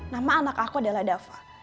nama anak aku adalah dava